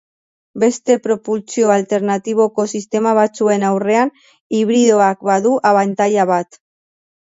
Beste propultsio alternatiboko sistema batzuen aurrean, hibridoak badu abantaila bat.